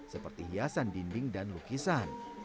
seperti hiasan dinding dan lukisan